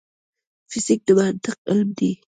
فزیک د منطق علم دی